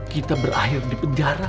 kita berakhir di penjara